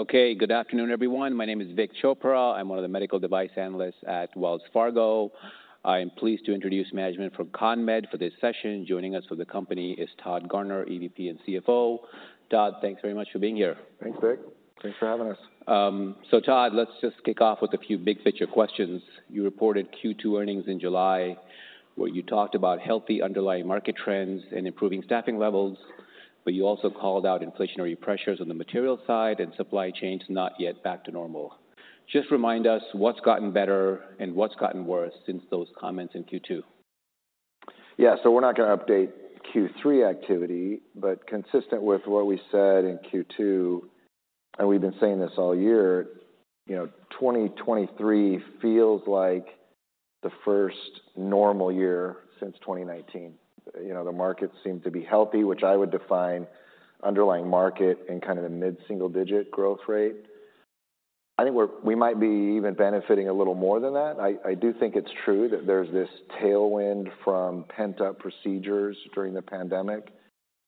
Okay, good afternoon, everyone. My name is Vik Chopra. I'm one of the Medical Device Analysts at Wells Fargo. I am pleased to introduce management from CONMED for this session. Joining us for the company is Todd Garner; EVP and CFO. Todd, thanks very much for being here. Thanks, Vik. Thanks for having us. Todd, let's just kick off with a few big-picture questions. You reported Q2 Earnings in July, where you talked about healthy underlying market trends and improving staffing levels, but you also called out inflationary pressures on the material side and supply chains not yet back to normal. Just remind us what's gotten better and what's gotten worse since those comments in Q2? Yeah. So we're not gonna update Q3 activity, but consistent with what we said in Q2, and we've been saying this all year, you know, 2023 feels like the first normal year since 2019. You know, the market seems to be healthy, which I would define underlying market in kind of the mid-single-digit growth rate. I think we might be even benefiting a little more than that. I do think it's true that there's this tailwind from pent-up procedures during the pandemic,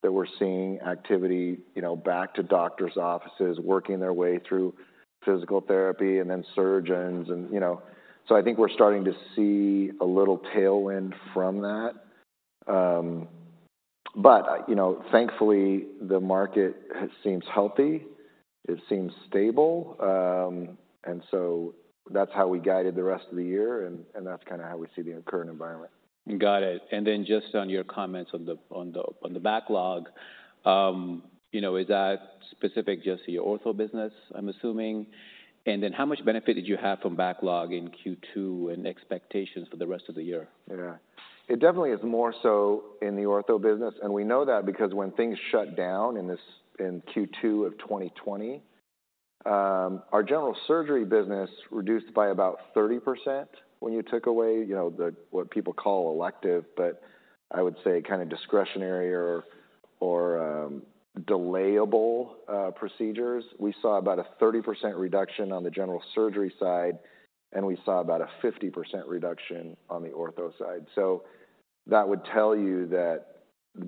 that we're seeing activity, you know, back to doctor's offices, working their way through physical therapy and then surgeons and, you know. So I think we're starting to see a little tailwind from that. But, you know, thankfully, the market seems healthy. It seems stable. And so that's how we guided the rest of the year, and that's kind of how we see the current environment. Got it. And then just on your comments on the backlog, you know, is that specific just to your ortho business, I'm assuming? And then how much benefit did you have from backlog in Q2 and expectations for the rest of the year? Yeah. It definitely is more so in the ortho business, and we know that because when things shut down in Q2 of 2020, our general surgery business reduced by about 30% when you took away, you know, the... what people call elective, but I would say kind of discretionary or, or, delayable procedures. We saw about a 30% reduction on the general surgery side, and we saw about a 50% reduction on the ortho side. So that would tell you that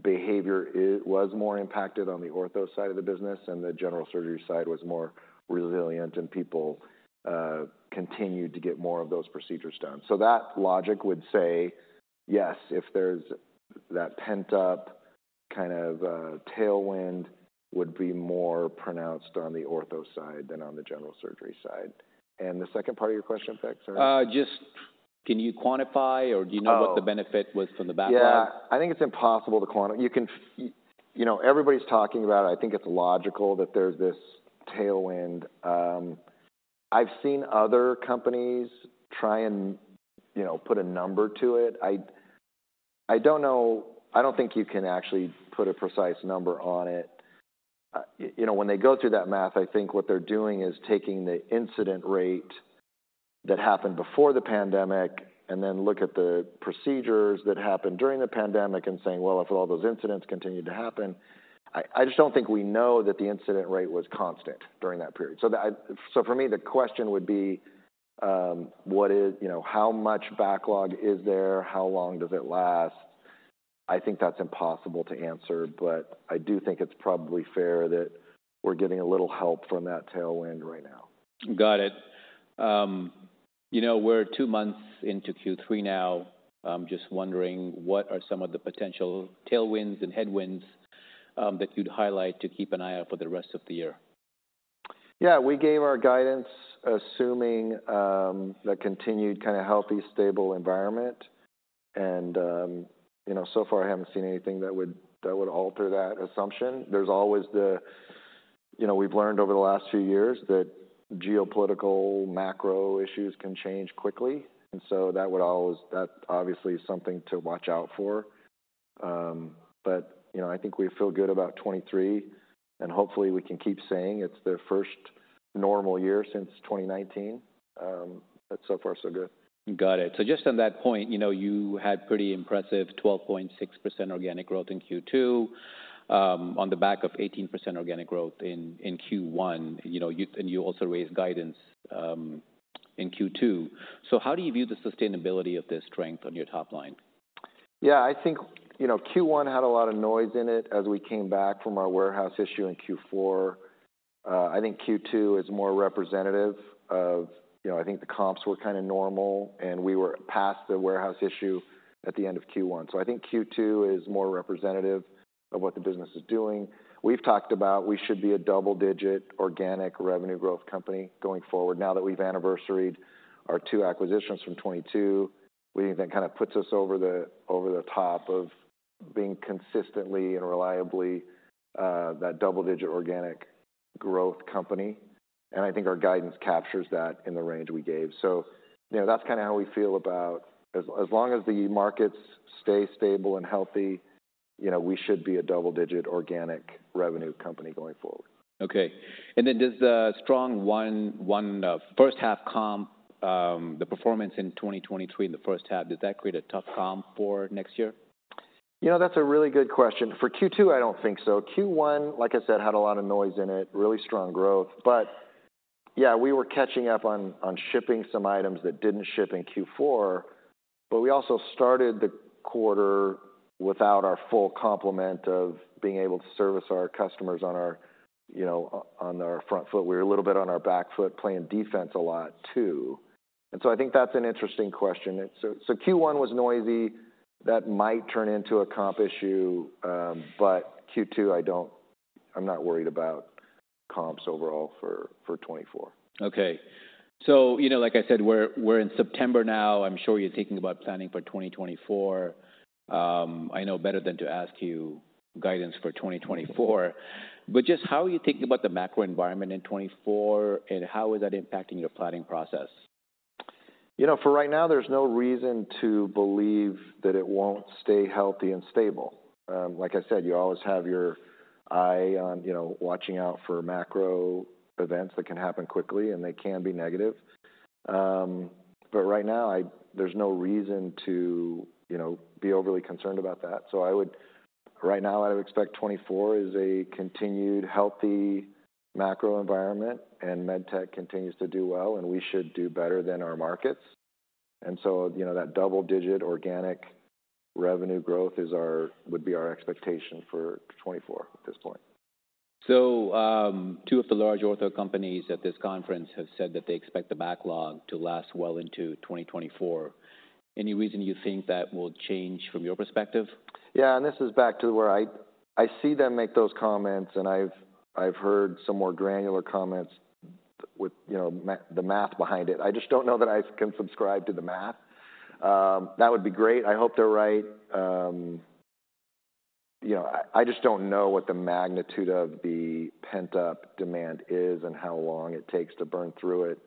behavior was more impacted on the ortho side of the business, and the general surgery side was more resilient, and people continued to get more of those procedures done. So that logic would say, yes, if there's that pent-up kind of tailwind, would be more pronounced on the ortho side than on the general surgery side. The second part of your question, Vik, sorry? Just, can you quantify or do you know- Oh What the benefit was from the backlog? Yeah. I think it's impossible to quantify. You can, you know, everybody's talking about it. I think it's logical that there's this tailwind. I've seen other companies try and, you know, put a number to it. I, I don't know - I don't think you can actually put a precise number on it. You know, when they go through that math, I think what they're doing is taking the incident rate that happened before the pandemic and then look at the procedures that happened during the pandemic and saying: Well, if all those incidents continued to happen... I, I just don't think we know that the incident rate was constant during that period. So for me, the question would be, what is - you know, how much backlog is there? How long does it last? I think that's impossible to answer, but I do think it's probably fair that we're getting a little help from that tailwind right now. Got it. You know, we're two months into Q3 now. I'm just wondering, what are some of the potential tailwinds and headwinds that you'd highlight to keep an eye out for the rest of the year? Yeah, we gave our guidance assuming a continued kind of healthy, stable environment. And, you know, so far, I haven't seen anything that would, that would alter that assumption. There's always the - you know, we've learned over the last few years that geopolitical macro issues can change quickly, and so that would always - that obviously is something to watch out for. But, you know, I think we feel good about 2023, and hopefully, we can keep saying it's the first normal year since 2019. But so far, so good. Got it. So just on that point, you know, you had pretty impressive 12.6% organic growth in Q2, on the back of 18% organic growth in Q1. You know, you and you also raised guidance in Q2. So how do you view the sustainability of this strength on your top line? Yeah, I think, you know, Q1 had a lot of noise in it as we came back from our warehouse issue in Q4. I think Q2 is more representative. You know, I think the comps were kind of normal, and we were past the warehouse issue at the end of Q1. So I think Q2 is more representative of what the business is doing. We've talked about we should be a double-digit organic revenue growth company going forward now that we've anniversary, our two acquisitions from 2022. We think that kind of puts us over the, over the top of being consistently and reliably, that double-digit organic growth company, and I think our guidance captures that in the range we gave. So, you know, that's kind of how we feel about as long as the markets stay stable and healthy, you know, we should be a double-digit organic revenue company going forward. Okay. Does the strong 1-1 first half comp, the performance in 2023 in the first half, does that create a tough comp for next year? You know, that's a really good question. For Q2, I don't think so. Q1, like I said, had a lot of noise in it, really strong growth. But yeah, we were catching up on shipping some items that didn't ship in Q4, but we also started the quarter without our full complement of being able to service our customers on our, you know, on our front foot. We were a little bit on our back foot, playing defense a lot, too, and so I think that's an interesting question. So Q1 was noisy. That might turn into a comp issue, but Q2, I don't. I'm not worried about comps overall for 2024. Okay. So, you know, like I said, we're in September now. I'm sure you're thinking about planning for 2024. I know better than to ask you guidance for 2024, but just how are you thinking about the macro environment in 2024, and how is that impacting your planning process? You know, for right now, there's no reason to believe that it won't stay healthy and stable. Like I said, you always have your eye on, you know, watching out for macro events that can happen quickly, and they can be negative. But right now, there's no reason to, you know, be overly concerned about that. Right now, I would expect 2024 is a continued healthy macro environment, and med tech continues to do well, and we should do better than our markets. And so, you know, that double-digit organic revenue growth would be our expectation for 2024 at this point. Two of the large ortho companies at this conference have said that they expect the backlog to last well into 2024. Any reason you think that will change from your perspective? Yeah, and this is back to where I see them make those comments, and I've heard some more granular comments with, you know, the math behind it. I just don't know that I can subscribe to the math. That would be great. I hope they're right. You know, I just don't know what the magnitude of the pent-up demand is and how long it takes to burn through it,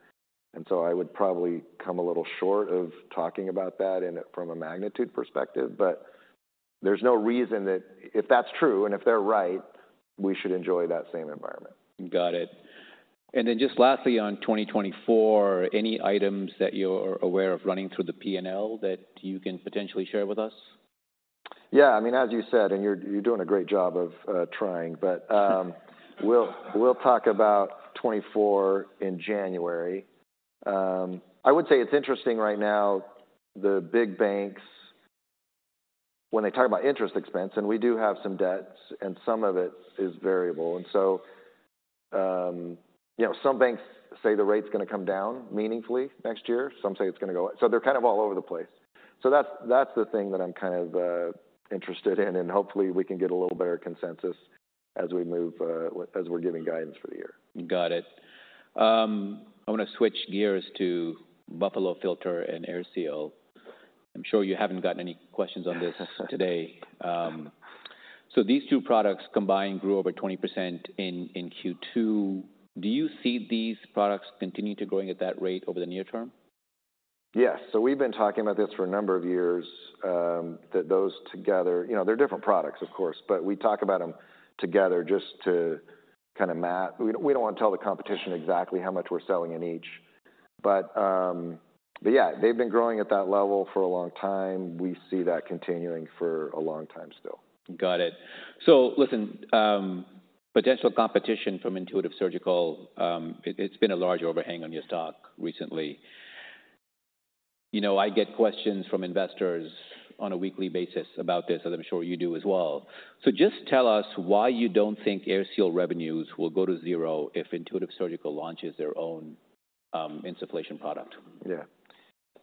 and so I would probably come a little short of talking about that in a, from a magnitude perspective. But there's no reason that... If that's true, and if they're right, we should enjoy that same environment. Got it. And then just lastly, on 2024, any items that you're aware of running through the PL that you can potentially share with us? Yeah, I mean, as you said, and you're doing a great job of trying, but we'll talk about 2024 in January. I would say it's interesting right now, the big banks, when they talk about interest expense, and we do have some debts, and some of it is variable. And so, you know, some banks say the rate's gonna come down meaningfully next year. Some say it's gonna go up, so they're kind of all over the place. So that's the thing that I'm kind of interested in, and hopefully, we can get a little better consensus as we move as we're giving guidance for the year. Got it. I want to switch gears to Buffalo Filter and AirSeal. I'm sure you haven't gotten any questions on this today. So these two products combined grew over 20% in Q2. Do you see these products continuing to growing at that rate over the near term? Yes. So we've been talking about this for a number of years, that those together. You know, they're different products, of course, but we talk about them together just to kind of map. We don't want to tell the competition exactly how much we're selling in each. But yeah, they've been growing at that level for a long time. We see that continuing for a long time still. Got it. So listen, potential competition from Intuitive Surgical, it's been a large overhang on your stock recently. You know, I get questions from investors on a weekly basis about this, as I'm sure you do as well. So just tell us why you don't think AirSeal revenues will go to zero if Intuitive Surgical launches their own, insufflation product. Yeah.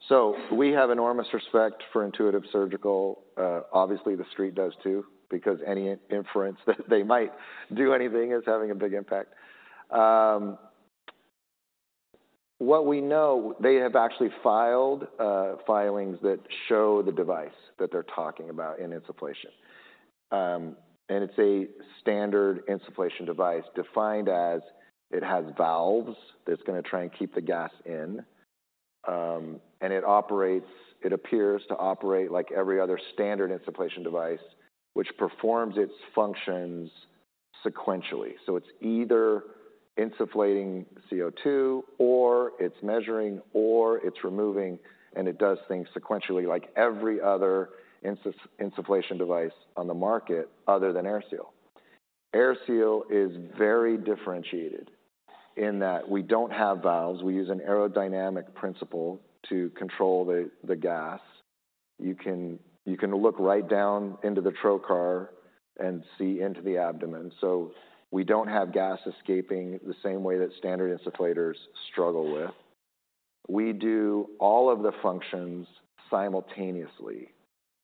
So we have enormous respect for Intuitive Surgical. Obviously, the Street does, too, because any inference that they might do anything is having a big impact. What we know, they have actually filed filings that show the device that they're talking about in insufflation. And it's a standard insufflation device, defined as: it has valves that's gonna try and keep the gas in, and it operates, it appears to operate like every other standard insufflation device, which performs its functions sequentially. So it's either insufflating CO2, or it's measuring, or it's removing, and it does things sequentially like every other insufflation device on the market other than AirSeal. AirSeal is very differentiated in that we don't have valves. We use an aerodynamic principle to control the gas. You can, you can look right down into the trocar and see into the abdomen, so we don't have gas escaping the same way that standard insufflators struggle with. We do all of the functions simultaneously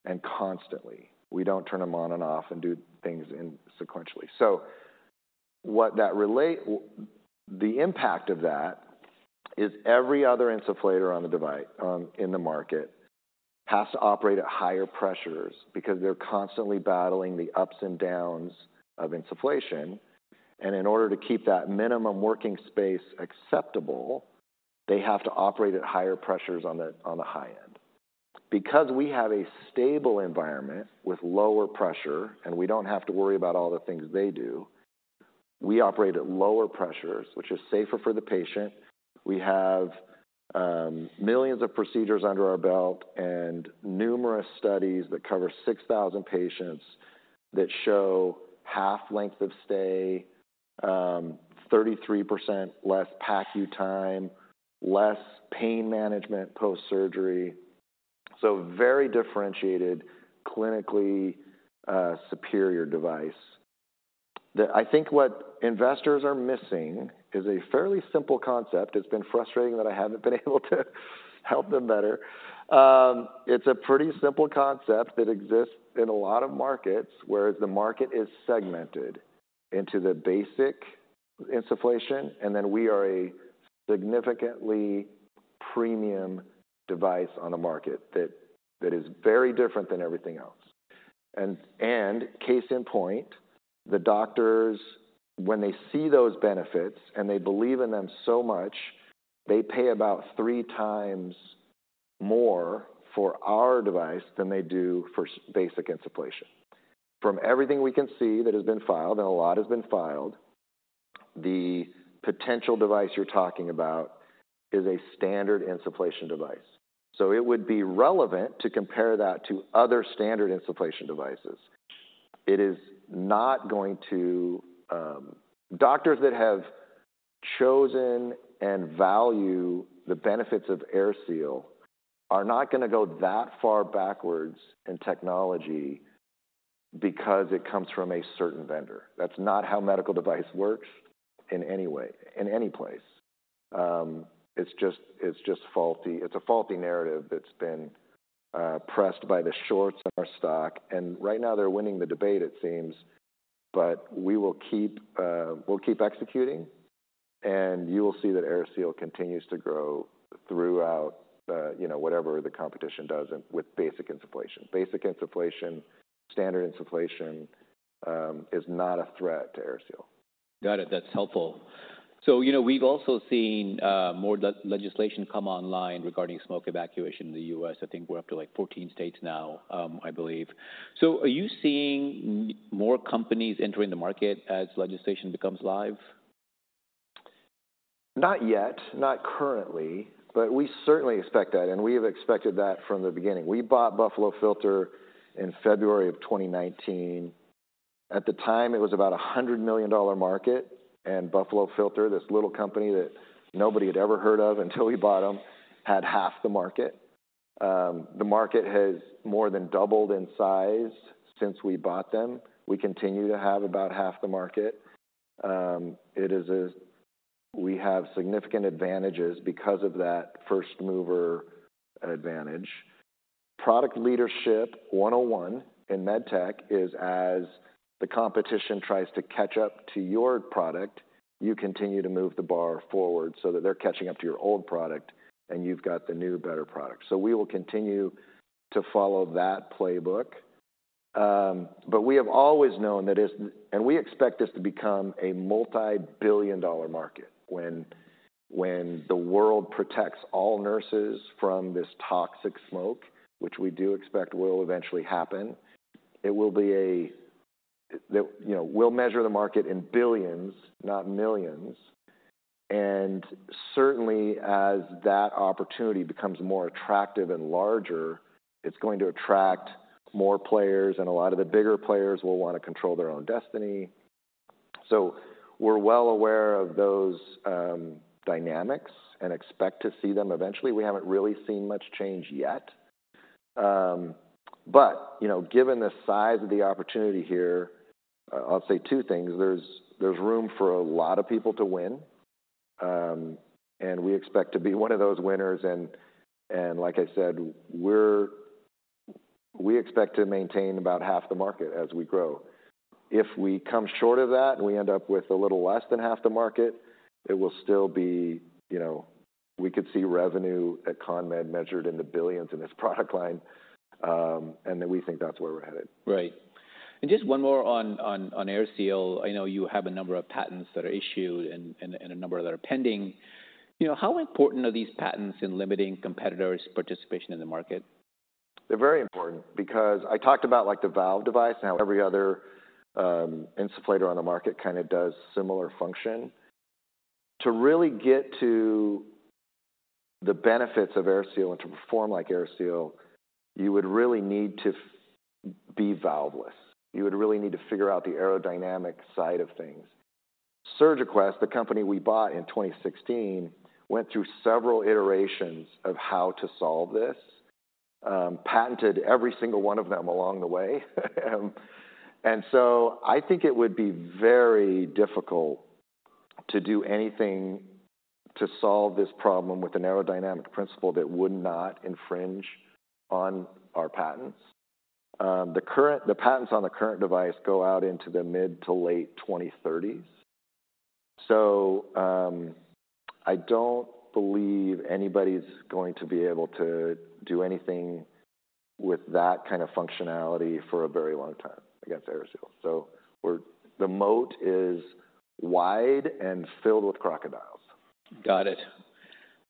and constantly. We don't turn them on and off and do things sequentially. So the impact of that is every other insufflator on the device in the market has to operate at higher pressures because they're constantly battling the ups and downs of insufflation, and in order to keep that minimum working space acceptable, they have to operate at higher pressures on the high end. Because we have a stable environment with lower pressure, and we don't have to worry about all the things they do, we operate at lower pressures, which is safer for the patient. We have millions of procedures under our belt and numerous studies that cover 6,000 patients that show half length of stay, 33% less PACU time, less pain management post-surgery. So very differentiated, clinically, superior device. I think what investors are missing is a fairly simple concept. It's been frustrating that I haven't been able to help them better. It's a pretty simple concept that exists in a lot of markets, where the market is segmented into the basic insufflation, and then we are a significantly premium device on the market that is very different than everything else. And case in point, the doctors, when they see those benefits, and they believe in them so much, they pay about three times more for our device than they do for basic insufflation. From everything we can see that has been filed, and a lot has been filed, the potential device you're talking about is a standard insufflation device. So it would be relevant to compare that to other standard insufflation devices. It is not going to. Doctors that have chosen and value the benefits of AirSeal are not gonna go that far backwards in technology because it comes from a certain vendor. That's not how medical device works in any way, in any place. It's just, it's just faulty. It's a faulty narrative that's been pressed by the shorts in our stock, and right now they're winning the debate, it seems. But we will keep, we'll keep executing, and you will see that AirSeal continues to grow throughout, you know, whatever the competition does and with basic insufflation. Basic insufflation, standard insufflation, is not a threat to AirSeal. Got it. That's helpful. So, you know, we've also seen more legislation come online regarding smoke evacuation in the U.S. I think we're up to, like, 14 states now, I believe. So are you seeing more companies entering the market as legislation becomes live? Not yet, not currently, but we certainly expect that, and we have expected that from the beginning. We bought Buffalo Filter in February 2019. At the time, it was about a $100 million market, and Buffalo Filter, this little company that nobody had ever heard of until we bought them, had half the market. The market has more than doubled in size since we bought them. We continue to have about half the market. It is a. We have significant advantages because of that first-mover advantage. Product leadership 101 in med tech is, as the competition tries to catch up to your product, you continue to move the bar forward so that they're catching up to your old product, and you've got the new, better product. So we will continue to follow that playbook. But we have always known that as... We expect this to become a multibillion-dollar market when the world protects all nurses from this toxic smoke, which we do expect will eventually happen. It will be. You know, we'll measure the market in billions, not millions, and certainly as that opportunity becomes more attractive and larger, it's going to attract more players, and a lot of the bigger players will want to control their own destiny. So we're well aware of those dynamics and expect to see them eventually. We haven't really seen much change yet. But, you know, given the size of the opportunity here, I'll say two things: There's room for a lot of people to win, and we expect to be one of those winners. And like I said, we expect to maintain about half the market as we grow. If we come short of that, and we end up with a little less than half the market, it will still be, you know. We could see revenue at CONMED measured in the $ billions in this product line, and then we think that's where we're headed. Right. And just one more on AirSeal. I know you have a number of patents that are issued and a number that are pending. You know, how important are these patents in limiting competitors' participation in the market? They're very important because I talked about, like, the valve device, and how every other insufflator on the market kind of does similar function. To really get to the benefits of AirSeal and to perform like AirSeal, you would really need to be valveless. You would really need to figure out the aerodynamic side of things. SurgiQuest, the company we bought in 2016, went through several iterations of how to solve this, patented every single one of them along the way. And so I think it would be very difficult to do anything to solve this problem with an aerodynamic principle that would not infringe on our patents. The patents on the current device go out into the mid- to late 2030s. I don't believe anybody's going to be able to do anything with that kind of functionality for a very long time against AirSeal. So we're. The moat is wide and filled with crocodiles. Got it.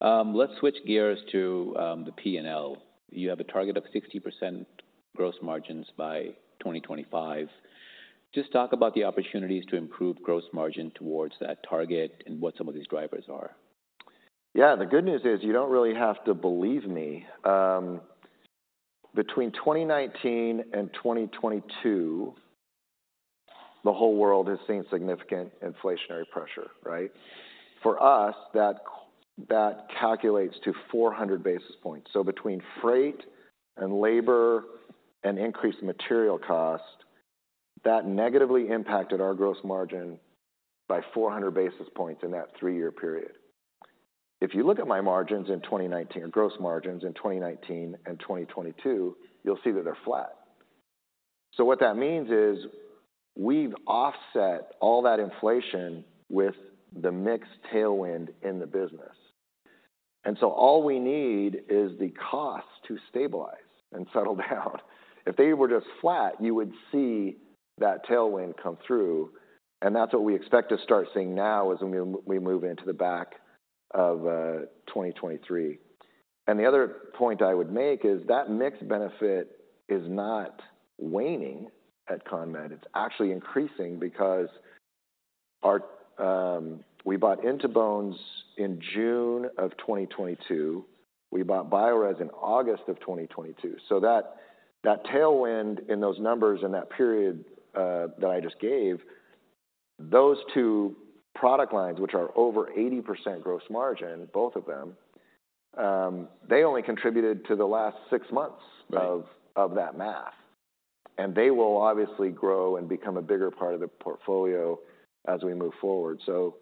Let's switch gears to the P&L. You have a target of 60% gross margins by 2025. Just talk about the opportunities to improve gross margin towards that target and what some of these drivers are. Yeah, the good news is you don't really have to believe me. Between 2019 and 2022, the whole world has seen significant inflationary pressure, right? For us, that calculates to 400 basis points. So between freight and labor and increased material cost, that negatively impacted our gross margin by 400 basis points in that three-year period. If you look at my margins in 2019 or gross margins in 2019 and 2022, you'll see that they're flat. So what that means is we've offset all that inflation with the mix tailwind in the business, and so all we need is the cost to stabilize and settle down. If they were just flat, you would see that tailwind come through, and that's what we expect to start seeing now as we move into the back of 2023. The other point I would make is that mix benefit is not waning at CONMED. It's actually increasing because our We bought In2Bones in June 2022. We bought Biorez in August 2022. So that, that tailwind in those numbers in that period, that I just gave, those two product lines, which are over 80% gross margin, both of them, they only contributed to the last six months- Right Of that math, and they will obviously grow and become a bigger part of the portfolio as we move forward. So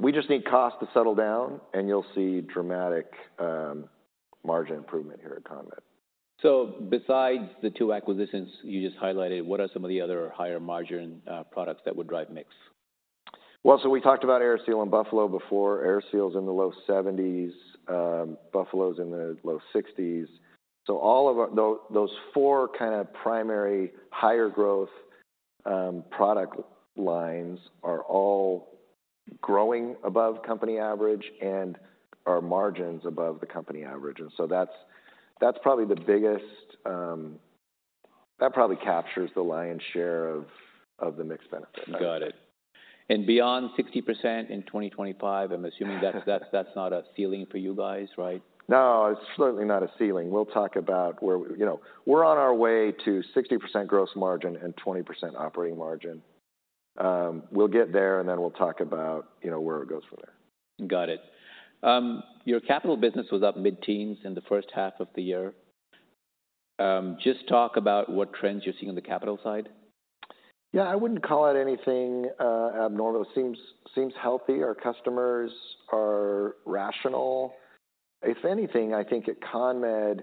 we just need cost to settle down, and you'll see dramatic, margin improvement here at CONMED. Besides the two acquisitions you just highlighted, what are some of the other higher-margin products that would drive mix? Well, so we talked about AirSeal and Buffalo before. AirSeal's in the low 70s, Buffalo's in the low 60s. So all of those four kind of primary higher growth product lines are all growing above company average and are margins above the company average, and so that's, that's probably the biggest. That probably captures the lion's share of, of the mix benefit. Got it. And beyond 60% in 2025, I'm assuming - that's, that's, that's not a ceiling for you guys, right? No, it's certainly not a ceiling. We'll talk about where... You know, we're on our way to 60% gross margin and 20% operating margin. We'll get there, and then we'll talk about, you know, where it goes from there. Got it. Your capital business was up mid-teens in the first half of the year. Just talk about what trends you're seeing on the capital side. Yeah, I wouldn't call it anything abnormal. It seems healthy. Our customers are rational. If anything, I think at CONMED,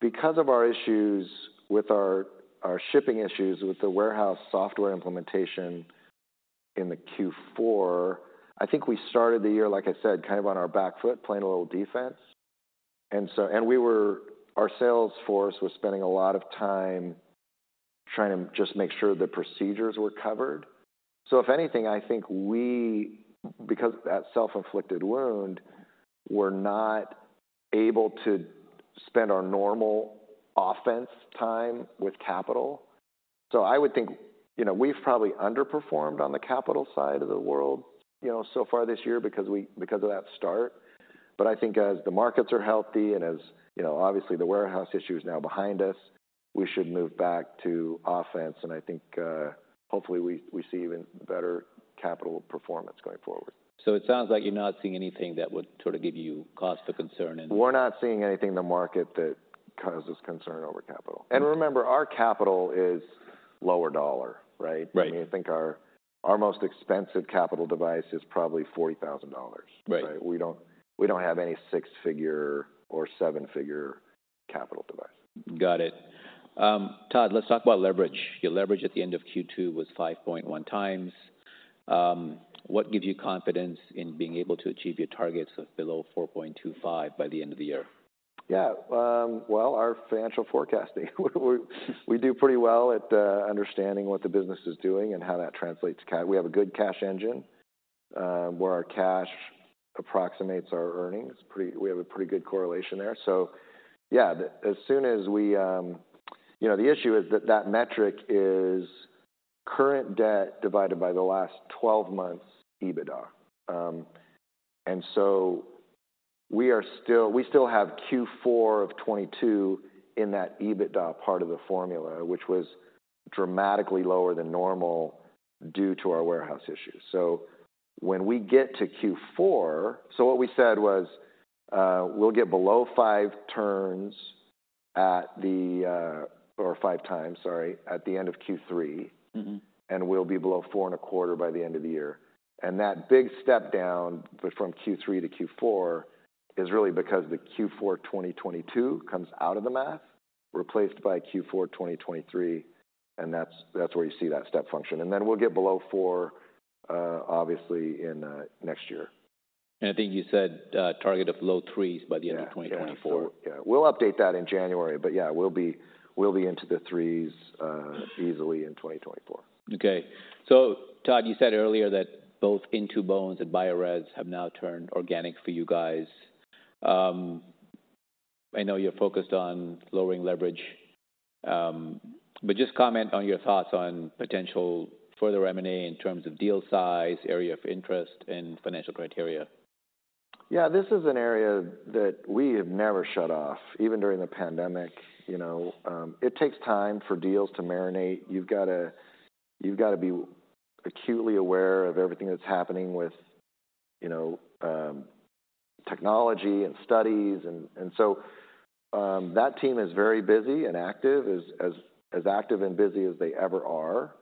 because of our issues with our shipping issues with the warehouse software implementation in the Q4, I think we started the year, like I said, kind of on our back foot, playing a little defense. And so we were -- Our sales force was spending a lot of time trying to just make sure the procedures were covered. So if anything, I think we, because of that self-inflicted wound, we're not able to spend our normal offense time with capital. So I would think, you know, we've probably underperformed on the capital side of the world, you know, so far this year because of that start. I think as the markets are healthy and as, you know, obviously, the warehouse issue is now behind us, we should move back to offense, and I think, hopefully we see even better capital performance going forward. It sounds like you're not seeing anything that would sort of give you cause for concern and- We're not seeing anything in the market that causes concern over capital. Okay. Remember, our capital is lower dollar, right? Right. I mean, I think our most expensive capital device is probably $40,000. Right. We don't have any six-figure or seven-figure capital device. Got it. Todd, let's talk about leverage. Your leverage at the end of Q2 was 5.1x. What gives you confidence in being able to achieve your targets of below 4.25x by the end of the year? Yeah, well, our financial forecasting. We're, we do pretty well at, understanding what the business is doing and how that translates to ca- We have a good cash engine, where our cash approximates our earnings. Pretty- we have a pretty good correlation there. Yeah, the- as soon as we, you know, the issue is that that metric is current debt divided by the last 12 months' EBITDA. We still have Q4 of 2022 in that EBITDA part of the formula, which was dramatically lower than normal due to our warehouse issues. When we get to Q4... What we said was, we'll get below 5 turns at the, or 5 times, sorry, at the end of Q3. Mm-hmm. We'll be below 4.25 by the end of the year, and that big step down from Q3 to Q4 is really because the Q4 2022 comes out of the math, replaced by Q4 2023, and that's, that's where you see that step function. Then we'll get below 4, obviously, in next year. I think you said a target of low threes by the end of- Yeah - 2024. Yeah. We'll update that in January, but yeah, we'll be into the threes easily in 2024. Okay. So Todd, you said earlier that both In2Bones and Biorez have now turned organic for you guys. I know you're focused on lowering leverage, but just comment on your thoughts on potential further M&A in terms of deal size, area of interest, and financial criteria? Yeah, this is an area that we have never shut off, even during the pandemic, you know? It takes time for deals to marinate. You've gotta be acutely aware of everything that's happening with, you know, technology and studies. And so, that team is very busy and active, as active and busy as they ever are.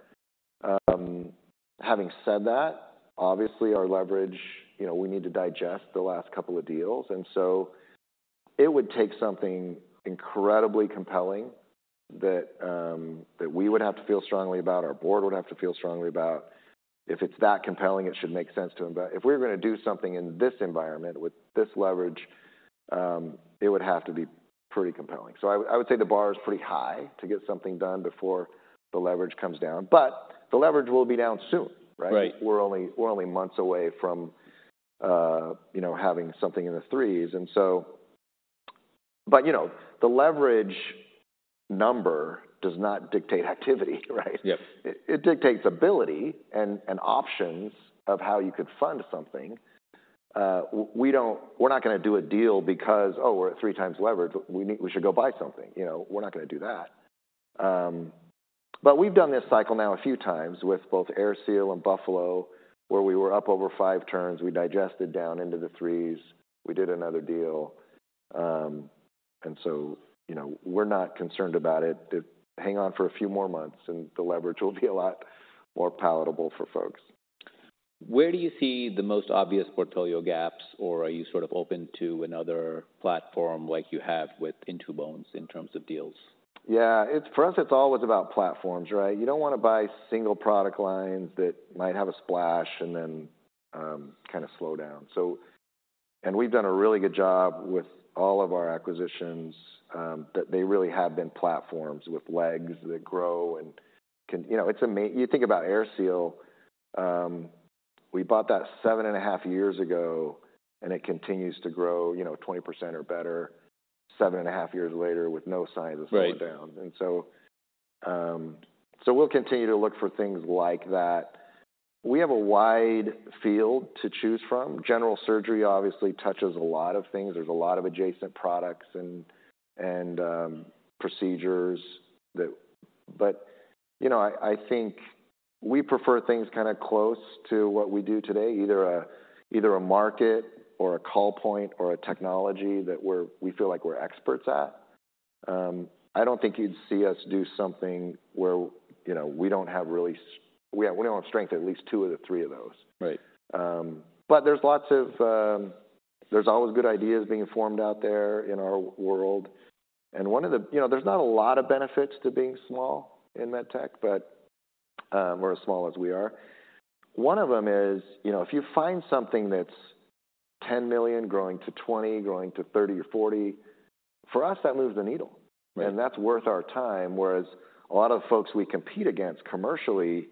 Having said that, obviously our leverage, you know, we need to digest the last couple of deals, and so it would take something incredibly compelling that we would have to feel strongly about, our board would have to feel strongly about. If it's that compelling, it should make sense to them. But if we're gonna do something in this environment with this leverage, it would have to be pretty compelling. So I would say the bar is pretty high to get something done before the leverage comes down, but the leverage will be down soon, right? Right. We're only, we're only months away from, you know, having something in the threes. But, you know, the leverage number does not dictate activity, right? Yep. It dictates ability and options of how you could fund something. We don't – we're not gonna do a deal because, oh, we're at three times leverage, we need... We should go buy something. You know, we're not gonna do that. But we've done this cycle now a few times with both AirSeal and Buffalo, where we were up over five turns. We digested down into the 3s. We did another deal. And so, you know, we're not concerned about it. Hang on for a few more months, and the leverage will be a lot more palatable for folks. Where do you see the most obvious portfolio gaps, or are you sort of open to another platform like you have with In2Bones in terms of deals? Yeah, it's for us, it's always about platforms, right? You don't wanna buy single product lines that might have a splash and then kind of slow down. We've done a really good job with all of our acquisitions, that they really have been platforms with legs that grow and. You know, it's. You think about AirSeal, we bought that 7.5 years ago, and it continues to grow, you know, 20% or better 7.5 years later with no signs of slowing down. Right. We'll continue to look for things like that. We have a wide field to choose from. General surgery obviously touches a lot of things. There's a lot of adjacent products and procedures that, you know, I think we prefer things kind of close to what we do today, either a market or a call point or a technology that we feel like we're experts at. I don't think you'd see us do something where, you know, we don't have really s- we don't have strength at least two of the three of those. Right. There's always good ideas being formed out there in our world, and one of the... You know, there's not a lot of benefits to being small in med tech, but, we're as small as we are. One of them is, you know, if you find something that's $10 million growing to $20, growing to $30 or $40, for us, that moves the needle- Right And that's worth our time, whereas a lot of folks we compete against commercially,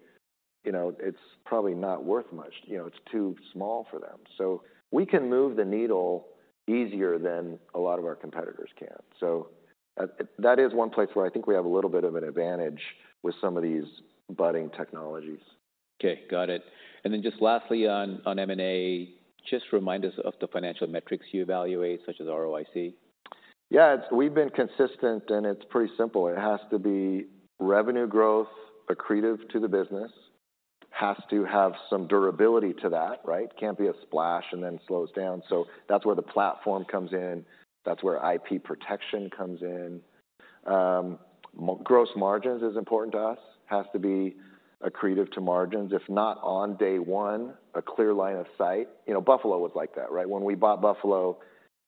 you know, it's probably not worth much. You know, it's too small for them. So we can move the needle easier than a lot of our competitors can. So, that is one place where I think we have a little bit of an advantage with some of these budding technologies. Okay, got it. And then just lastly on M&A, just remind us of the financial metrics you evaluate, such as ROIC? Yeah, we've been consistent, and it's pretty simple. It has to be revenue growth accretive to the business. It has to have some durability to that, right? It can't be a splash and then slows down, so that's where the platform comes in. That's where IP protection comes in. Gross margins is important to us. It has to be accretive to margins, if not on day one, a clear line of sight. You know, Buffalo was like that, right? When we bought Buffalo,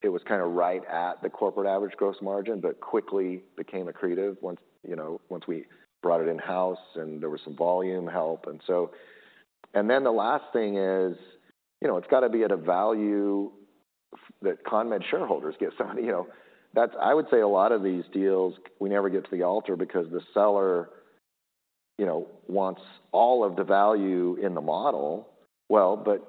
it was kind of right at the corporate average gross margin, but quickly became accretive once, you know, once we brought it in-house, and there was some volume help. And so... And then the last thing is, you know, it's gotta be at a value that CONMED shareholders get. So, you know, that's. I would say a lot of these deals, we never get to the altar because the seller, you know, wants all of the value in the model. Well, but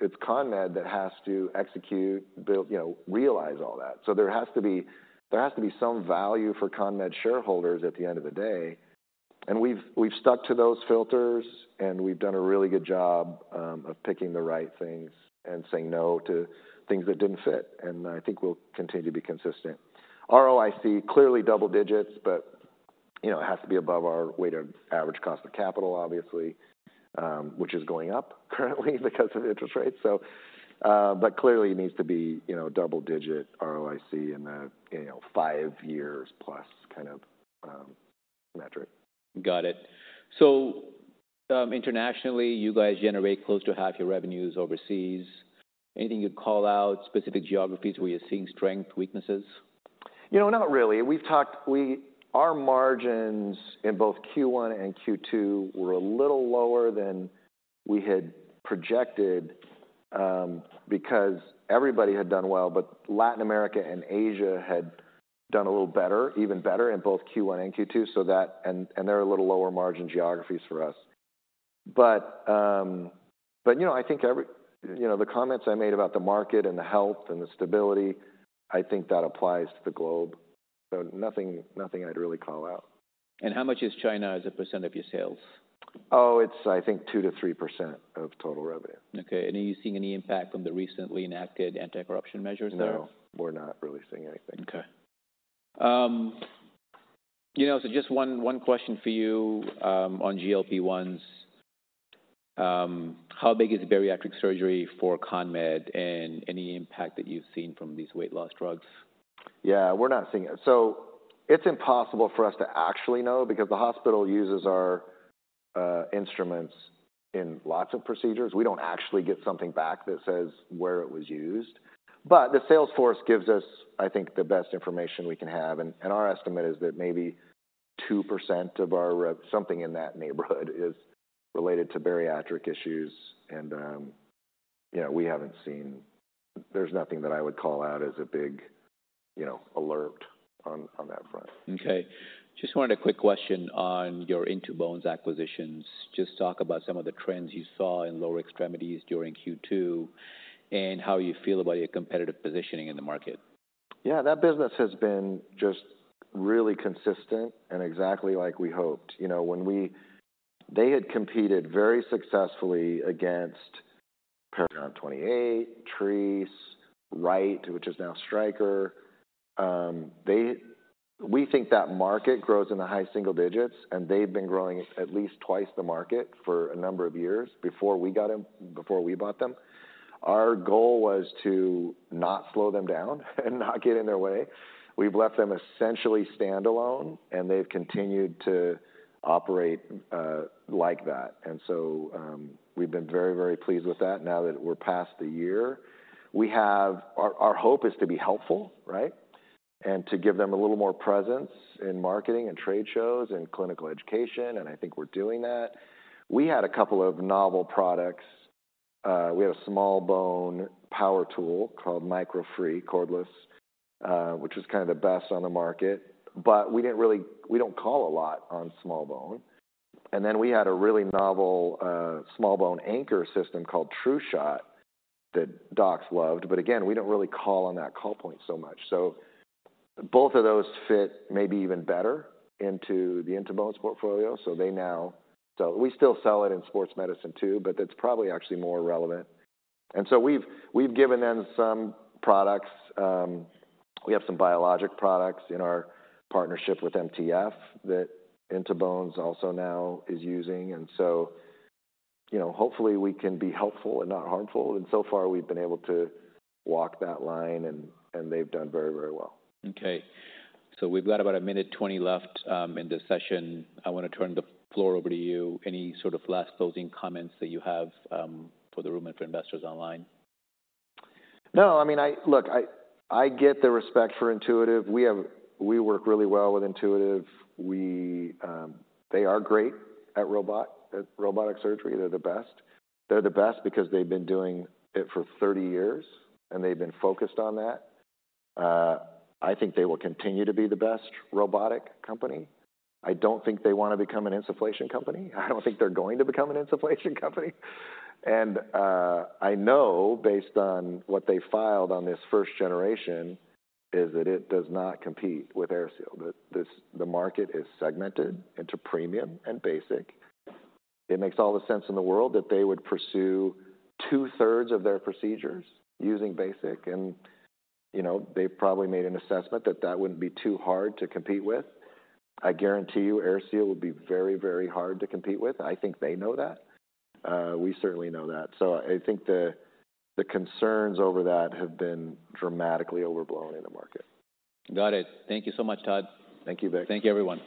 it's CONMED that has to execute, build, you know, realize all that. So there has to be, there has to be some value for CONMED shareholders at the end of the day, and we've, we've stuck to those filters, and we've done a really good job of picking the right things and saying no to things that didn't fit, and I think we'll continue to be consistent. ROIC, clearly double digits, but, you know, it has to be above our weighted average cost of capital, obviously, which is going up currently because of interest rates. But clearly, it needs to be, you know, double digit ROIC in the, you know, 5+ years kind of metric. Got it. So, internationally, you guys generate close to half your revenues overseas. Anything you'd call out, specific geographies where you're seeing strength, weaknesses? You know, not really. Our margins in both Q1 and Q2 were a little lower than we had projected, because everybody had done well, but Latin America and Asia had done a little better, even better in both Q1 and Q2, so that... And they're a little lower margin geographies for us. But, but, you know, I think every, you know, the comments I made about the market and the health and the stability, I think that applies to the globe. So nothing, nothing I'd really call out. How much is China as a % of your sales? Oh, it's I think 2%-3% of total revenue. Okay. And are you seeing any impact from the recently enacted anti-corruption measures there? No, we're not really seeing anything. Okay. You know, so just one question for you, on GLP-1s. How big is bariatric surgery for CONMED, and any impact that you've seen from these weight loss drugs? Yeah, we're not seeing it. So it's impossible for us to actually know because the hospital uses our instruments in lots of procedures. We don't actually get something back that says where it was used, but the sales force gives us, I think, the best information we can have, and our estimate is that maybe 2% of our rev... Something in that neighborhood is related to bariatric issues. You know, we haven't seen. There's nothing that I would call out as a big, you know, alert on that front. Okay. Just wanted a quick question on your In2Bones acquisitions. Just talk about some of the trends you saw in lower extremities during Q2 and how you feel about your competitive positioning in the market. Yeah, that business has been just really consistent and exactly like we hoped. You know, when we... They had competed very successfully against Paragon 28, Treace, Wright, which is now Stryker. They - we think that market grows in the high single digits, and they've been growing at least twice the market for a number of years before we got them, before we bought them. Our goal was to not slow them down and not get in their way. We've left them essentially standalone, and they've continued to operate like that, and so, we've been very, very pleased with that now that we're past the year. We have - our, our hope is to be helpful, right? And to give them a little more presence in marketing and trade shows and clinical education, and I think we're doing that. We had a couple of novel products. We had a small bone power tool called MicroFree Cordless, which is kind of the best on the market, but we didn't really- we don't call a lot on small bone. And then we had a really novel small bone anchor system called TruShot that docs loved. But again, we don't really call on that call point so much. So both of those fit maybe even better into the In2Bones portfolio. So they now - so we still sell it in sports medicine too, but that's probably actually more relevant. And so we've given them some products. We have some biologic products in our partnership with MTF, that In2Bones also now is using. And so, you know, hopefully, we can be helpful and not harmful, and so far we've been able to walk that line, and, and they've done very, very well. Okay. We've got about 1 minute 20 left in this session. I want to turn the floor over to you. Any sort of last closing comments that you have for the room and for investors online? No, I mean, Look, I get the respect for Intuitive. We have we work really well with Intuitive. We, they are great at robot, at robotic surgery. They're the best. They're the best because they've been doing it for 30 years, and they've been focused on that. I think they will continue to be the best robotic company. I don't think they want to become an insufflation company. I don't think they're going to become an insufflation company. And, I know, based on what they filed on this first generation, is that it does not compete with AirSeal. The market is segmented into premium and basic. It makes all the sense in the world that they would pursue two-thirds of their procedures using basic. And, you know, they probably made an assessment that that wouldn't be too hard to compete with. I guarantee you, AirSeal would be very, very hard to compete with. I think they know that. We certainly know that. So I think the concerns over that have been dramatically overblown in the market. Got it. Thank you so much, Todd. Thank you, Vik. Thank you, everyone.